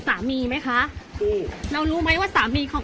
พี่อยากขอโทษใครไหมคะ